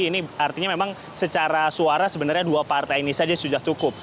ini artinya memang secara suara sebenarnya dua partai ini saja sudah cukup